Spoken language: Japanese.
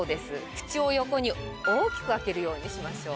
口を横に大きく開けるようにしましょう。